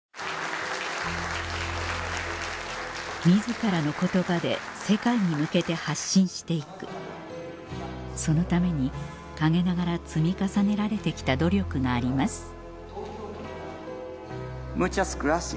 自らの言葉で世界に向けて発信して行くそのために陰ながら積み重ねられて来た努力があります